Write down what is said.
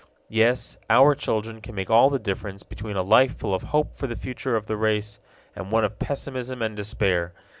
Yes, our children can make all the difference between a life full of hope for the future of the race and one of pessimism and despair.